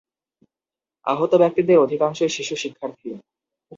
আহত ব্যক্তিদের অধিকাংশই শিশু শিক্ষার্থী।